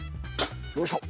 よいしょ。